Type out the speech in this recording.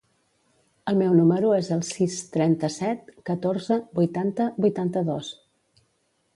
El meu número es el sis, trenta-set, catorze, vuitanta, vuitanta-dos.